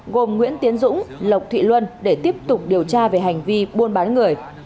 gồm nguyễn tiến dũng lộc thị luân để tiếp tục điều tra về hành vi buôn bán người